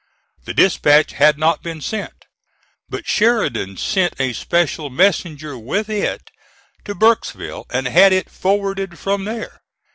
The dispatch had not been sent, but Sheridan sent a special messenger with it to Burkesville and had it forwarded from there.